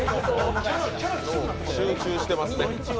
集中してます。